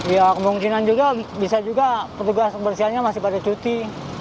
ya kemungkinan juga bisa juga petugas kebersihannya masih pada cuti